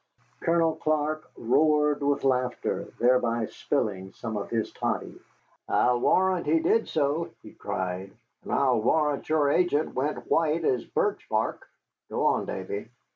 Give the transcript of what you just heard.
Colonel Clark roared with laughter, thereby spilling some of his toddy. "I'll warrant he did so," he cried; "and I'll warrant your agent went white as birch bark. Go on, Davy."